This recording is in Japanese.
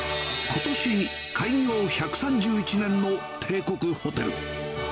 ことしに開業１３１年の帝国ホテル。